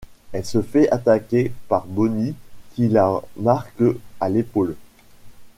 Elle se fait attaquer par Bonnie, qui l'a marque à l'épaule.